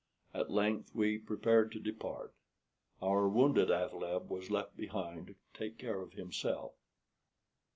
At length we prepared to depart. Our wounded athaleb was left behind to take care of himself.